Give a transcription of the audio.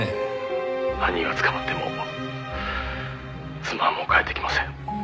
「犯人が捕まっても妻はもう帰ってきません」